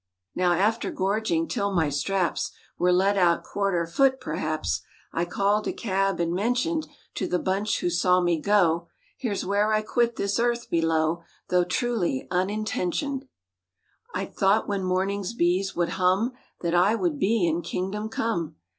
Now after gorging 'till my straps Were let out quarter foot perhaps, I called a cab and mentioned To the bunch who saw me go— "Here's where I quit this earth below Though truly unintentioned." I thought when morning's bees would hum That I would be in Kingdom Come.